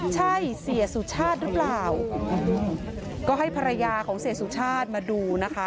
ใช่เสียสุชาติหรือเปล่าก็ให้ภรรยาของเสียสุชาติมาดูนะคะ